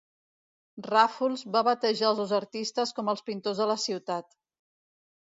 Ràfols va batejar els dos artistes com els pintors de la ciutat.